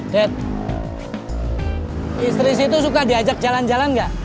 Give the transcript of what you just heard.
dad istri situ suka diajak jalan jalan gak